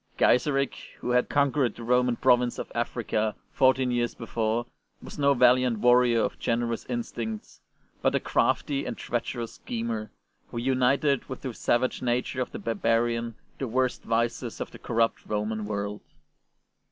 Gaiseric, who had conquered the Roman province of Africa fourteen years before, was no valiant warrior of generous instincts, but a crafty and treacherous schemer, who united with the savage nature of the barbarian the worst vices of the corrupt Roman world.